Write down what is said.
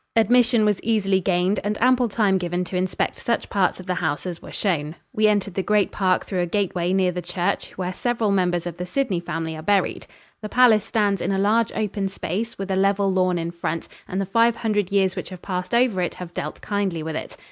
Admission was easily gained and ample time given to inspect such parts of the house as were shown. We entered the great park through a gateway near the church where several members of the Sidney family are buried. The palace stands in a large open space with a level lawn in front, and the five hundred years which have passed over it have dealt kindly with it.